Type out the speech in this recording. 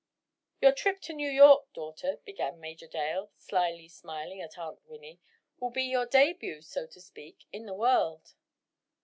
"Your trip to New York, daughter," began Major Dale, slily smiling at Aunt Winnie, "will be your debut, so to speak, in the world."